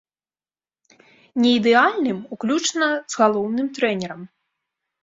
Не ідэальным, уключна з галоўным трэнерам.